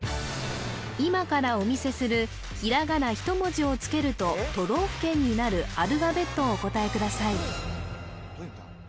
今からお見せするひらがな１文字をつけると都道府県になるアルファベットをお答えください